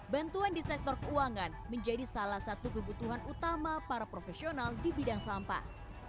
bantuan di sektor keuangan menjadi salah satu kebutuhan utama para profesional di bidang sampah